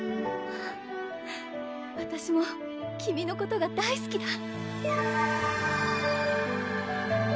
わたしも君のことが大すきだ